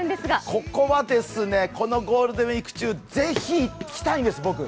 ここは、このゴールデンウイーク中、ぜひ行きたいんです、僕。